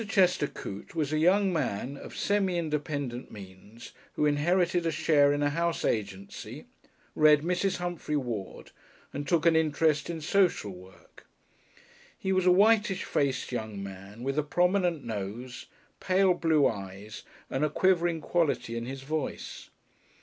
Chester Coote was a young man of semi independent means who inherited a share in a house agency, read Mrs. Humphry Ward, and took an interest in social work. He was a whitish faced young man with a prominent nose, pale blue eyes, and a quivering quality in his voice.